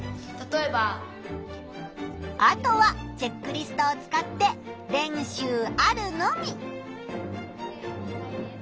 あとはチェックリストを使って練習あるのみ！